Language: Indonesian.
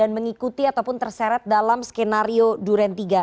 dan mengikuti ataupun terseret dalam skenario duren tiga